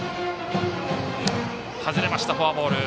外れました、フォアボール。